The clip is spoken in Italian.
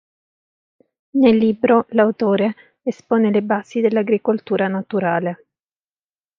Nel libro l'autore espone le basi dell'agricoltura naturale.